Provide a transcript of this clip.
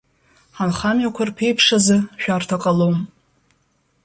Ҳанхамҩақәа рԥеиԥш азы шәарҭа ҟалом.